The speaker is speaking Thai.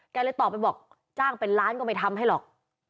เลยตอบไปบอกจ้างเป็นล้านก็ไม่ทำให้หรอก